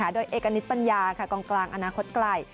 โดยเอกณิตปัญญากองกลางอนาคตไกล